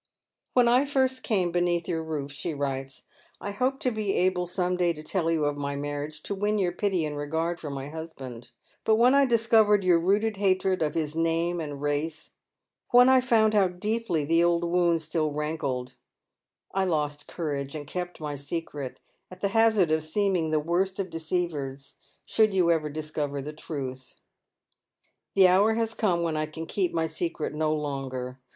" When I first came beneath your roof," she writes, " I hoped to be able some day to tell you of my mamage, to win your pity and regard for my husband ; but when I discovered your rooted hatred of his name and race, when I found how deeply the old wound still rankled, I lost courage ar^d kept my secret, at the hazard of seeming the worst of deceivers should you ever discover the tnith. " The hour has come when I can keep my secret no longer.